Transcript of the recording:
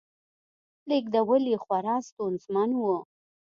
لېږدول یې خورا ستونزمن و